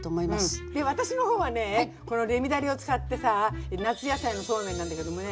で私の方はねこのレミだれを使ってさ夏野菜のそうめんなんだけどもね